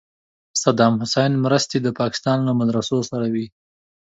صدام حسین مرستې د پاکستان له مدرسو سره وې.